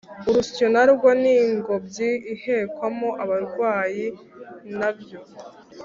urusyo narwo n’ingobyi ihekwamo abarwayi nabyo